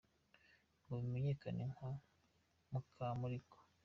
ngo bimenyekane nka Mukamurigo.